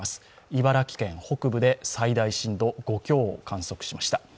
茨城県北部で最大震度５強を観測しました。